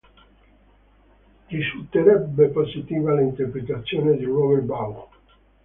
Risulterebbe positiva l'interpretazione di Robert Vaughn.